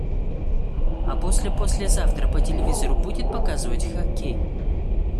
А послепослезавтра по телевизору будут показывать хоккей?